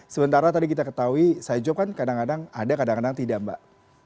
sementara tadi kita ketahui side jo kan kadang kadang ada kadang kadang tidak mbak